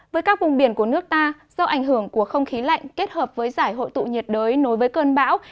với các vùng biển của nước ta do ảnh hưởng của không khí lạnh kết hợp với giải hội tụ nhiệt đới nối với cơn bão